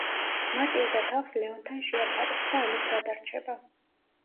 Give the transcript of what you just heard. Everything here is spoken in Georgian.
მატილდა თავს ლეონთან შეაფარებს და ამით გადარჩება.